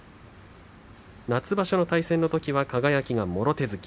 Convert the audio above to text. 夏場所の対戦のときは輝がもろ手突き